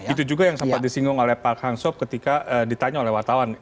itu juga yang sampai disinggung oleh park hang seo ketika ditanya oleh wartawan